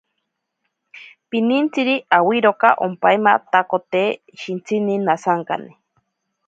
Pinintsiri awiroka ompaimatakote shintsine nasankane.